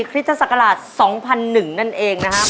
คริสตศักราช๒๐๐๑นั่นเองนะครับ